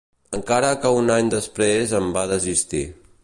Encara que un any després en va desistir.